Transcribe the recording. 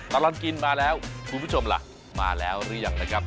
ตลอดกินมาแล้วคุณผู้ชมล่ะมาแล้วหรือยังนะครับ